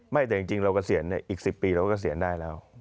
ไม่แต่จริงเราเกษียณเนี่ยอีกสิบปีเราก็เกษียณได้แล้ว